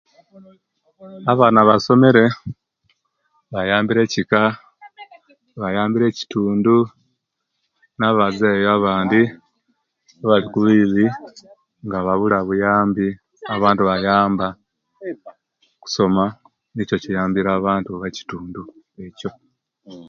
Abaana basomere bayambire ekika, bayambire ekitundu, na bazeyi abandi abali kubibi nga babula buyambi abantu bayamba okuwona nikyo ekiyambire abantu bo kitundu ekyo